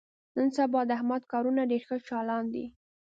نن سبا د احمد کارونه ډېر ښه چالان دي.